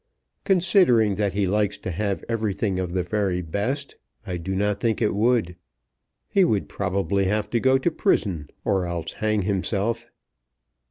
"Considering that he likes to have everything of the very best I do not think it would. He would probably have to go to prison or else hang himself."